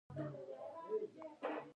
په پیل کې خلک د بې قدرتۍ ژور احساس کوي.